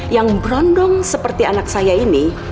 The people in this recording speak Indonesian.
yang berondong seperti anak saya ini